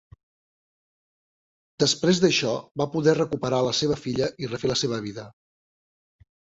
Després d'això va poder recuperar a la seva filla i refer la seva vida.